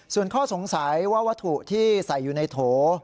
ส่วนข้อสงสัยว่าวัตถุที่ใส่อยู่ในโถ